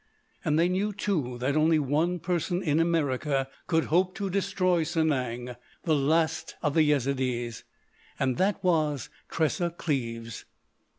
And they knew, too, that only one person in America could hope to destroy Sanang, the last of the Yezidees, and that was Tressa Cleves.